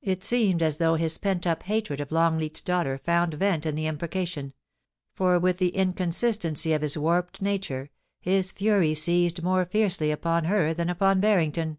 It seemed as though his pent up hatred of Longleat's daughter found vent in the imprecation ; for, with the incon sistency of his warped nature, his fury seized more fiercely upon her than upon Barrington.